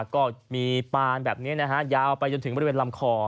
ก็มีปานแบบนี้นะฮะยาวไปจนถึงบริเวณลำคอ